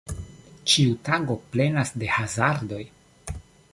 Ĉiu tago plenas de hazardoj.